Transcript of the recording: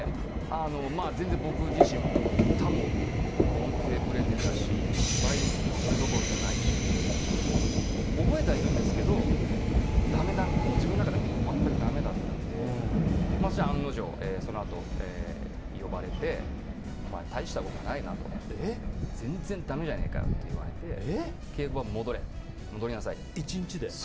全然、僕自身も歌も音程ぶれていたし芝居もそれどころじゃないし覚えてはいるんですけど自分の中で全くだめだったので案の定、そのあと呼ばれてお前、大したことないなと全然だめじゃないかよって言われて稽古場に戻りなさいって。